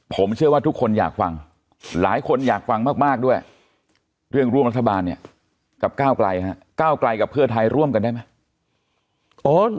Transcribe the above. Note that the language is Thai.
ผมเชื่อว่าทุกคนอยากฟังหลายคนอยากฟังมากด้วยเรื่องร่วมรัฐบาลเนี่ยกับก้าวไกลฮะก้าวไกลกับเพื่อไทยร่วมกันได้ไหม